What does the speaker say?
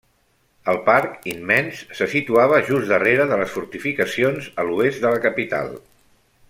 El parc, immens, se situava just darrere de les fortificacions a l'oest de la capital.